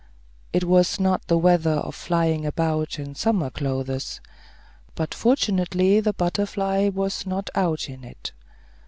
It was not the weather for flying about in summer clothes; but fortunately the butterfly was not out in it.